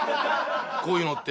こういうのって。